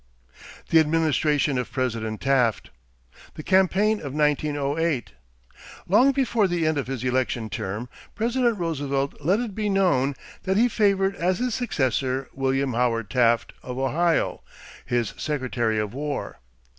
THE ADMINISTRATION OF PRESIDENT TAFT =The Campaign of 1908.= Long before the end of his elective term, President Roosevelt let it be known that he favored as his successor, William Howard Taft, of Ohio, his Secretary of War.